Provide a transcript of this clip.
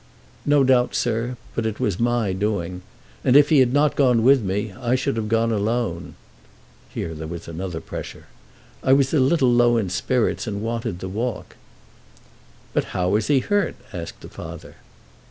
"No doubt, sir; but it was my doing. And if he had not gone with me, I should have gone alone." Here there was another pressure. "I was a little low in spirits, and wanted the walk." "But how is he hurt?" asked the father.